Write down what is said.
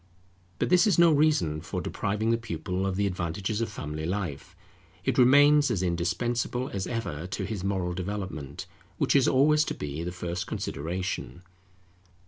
But this is no reason for depriving the pupil of the advantages of family life; it remains as indispensable as ever to his moral development, which is always to be the first consideration.